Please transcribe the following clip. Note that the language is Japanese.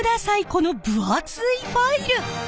この分厚いファイル！